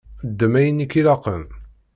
Ddem ayen i k-ilaqen.